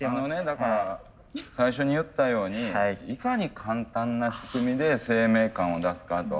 だから最初に言ったようにいかに簡単な仕組みで生命感を出すかと。